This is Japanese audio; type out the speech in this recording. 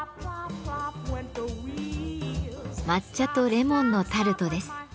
抹茶とレモンのタルトです。